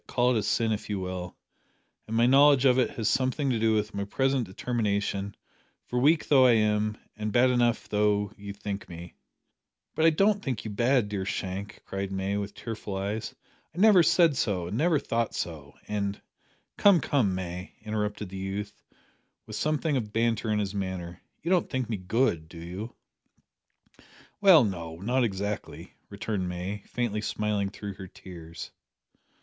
Call it sin if you will and my knowledge of it has something to do with my present determination, for, weak though I am, and bad though you think me " "But I don't think you bad, dear Shank," cried May, with tearful eyes; "I never said so, and never thought so, and " "Come, come, May," interrupted the youth, with something of banter in his manner, "you don't think me good, do you?" "Well, no not exactly," returned May, faintly smiling through her tears.